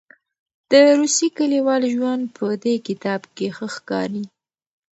د روسیې کلیوال ژوند په دې کتاب کې ښه ښکاري.